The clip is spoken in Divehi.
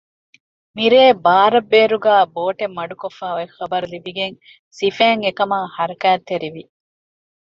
މިރޭ ބާރަށް ބޭރުގައި ބޯޓެއް މަޑުކޮށްފައި އޮތް ޚަބަރު ލިބިގެން ސިފައިން އެކަމާ ޙަރަކާތްތެރިވި